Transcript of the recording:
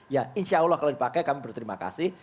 ya insya allah kalau dipakai kami berterima kasih